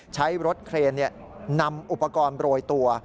ใช้รถเครนนำอุปกรณ์โรยตัว